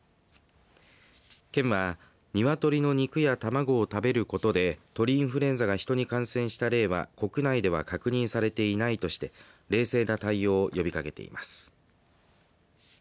県は鶏の肉や卵を食べることで鳥インフルエンザが人に感染した例は国内では確認されていないとして冷静な対応を呼びかけています。